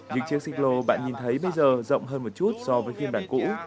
những chiếc xích lô bạn nhìn thấy bây giờ rộng hơn một chút so với phiên bản cũ